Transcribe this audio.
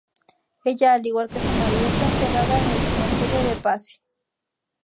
Ella al igual que su marido fue enterrada en el Cementerio de Passy.